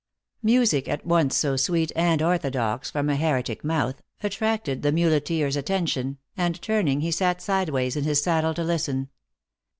Music at once so sweet and orthodox from a heretic mouth, attracted the muleteer s attention, and turn ing, he sat sideways in his saddle to listen.